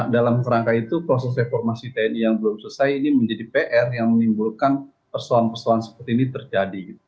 dalam rangka itu proses reformasi tni yang belum selesai ini menjadi pr yang menimbulkan persoalan persoalan seperti ini terjadi